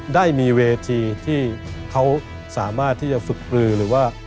ได้มีเวทีที่เขาสามารถที่จะฝึกปลือหรือว่า